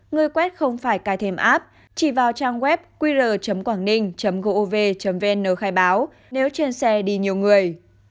người quét không phải cài thêm app chỉ vào trang web qr quảng ninh gov vn khai báo nếu trên xe đi nhiều người